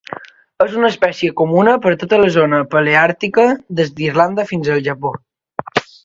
És una espècie comuna per tota la Zona Paleàrtica des d'Irlanda fins al Japó.